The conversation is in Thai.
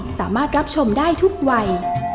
สามารถรับชมได้ทุกวัย